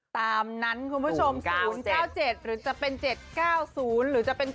ตามนั้นคุณผู้ชม๐๙๗หรือจะเป็น๗๙๐หรือจะเป็น